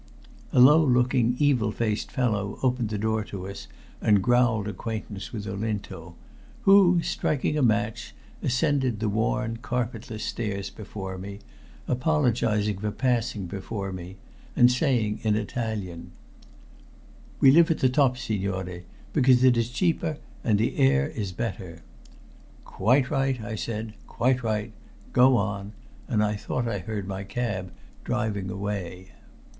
A low looking, evil faced fellow opened the door to us and growled acquaintance with Olinto, who, striking a match, ascended the worn, carpetless stairs before me, apologizing for passing before me, and saying in Italian "We live at the top, signore, because it is cheaper and the air is better." "Quite right," I said. "Quite right. Go on." And I thought I heard my cab driving away.